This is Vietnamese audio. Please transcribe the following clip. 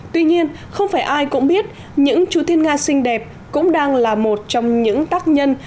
tuy nhiên không phải ai cũng biết những chú thiên nga xinh đẹp cũng đang là một trong những tác nhân